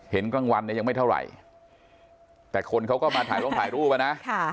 เห็นกลางวันยังไม่เท่าไหร่แต่คนเขาก็มาถ่ายร่วมถ่ายรูปนะ